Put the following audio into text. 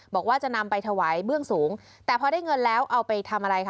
บอกว่าจะนำไปถวายเบื้องสูงแต่พอได้เงินแล้วเอาไปทำอะไรคะ